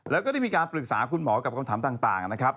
แล้วก็ได้มีการปรึกษาคุณหมอกับคำถามต่างนะครับ